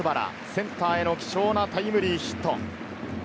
センターへの貴重なタイムリーヒット。